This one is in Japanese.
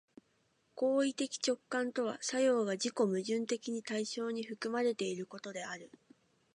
行為的直観とは作用が自己矛盾的に対象に含まれていることである。